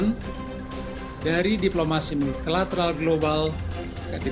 tapi dalam masa lalu mereka hanya cannondaleait kleiner